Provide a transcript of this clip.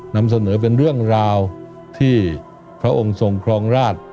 นำเสนอเป็นเรื่องราวที่พระองค์ทรงครองราช